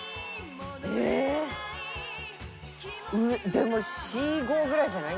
でも４５ぐらいじゃない？